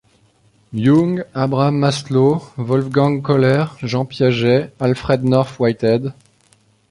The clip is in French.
Jung, Abraham Maslow, Wolfgang Köhler, Jean Piaget, Alfred North Whitehead...